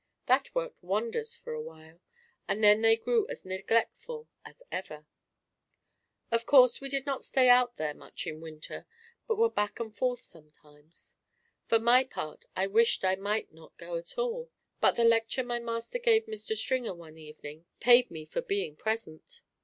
That worked wonders for awhile, and then they grew as neglectful as ever. Of course, we did not stay out there much in winter, but were back and forth sometimes. For my part, I wished I might not go at all, but the lecture my master gave Mr. Stringer one evening paid me for being present.